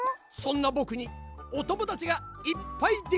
そんなぼくにおともだちがいっぱい